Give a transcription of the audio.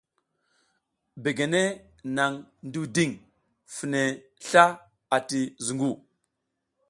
Begene nang ndiwding fine sla ati zungu.